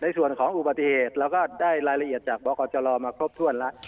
ของอุบัติเหตุเราก็ได้รายละเอียดจากบกจรมาครบถ้วนแล้ว